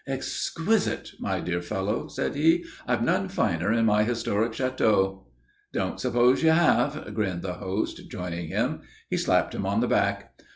"Exquisite, my dear fellow," said he. "I've none finer in my historic château." "Don't suppose you have," grinned the host, joining him. He slapped him on the back.